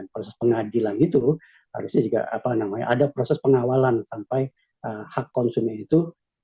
proses pengadilan itu harusnya juga ada proses pengawalan sampai hak konsumen itu